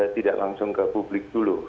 tidak langsung ke publik dulu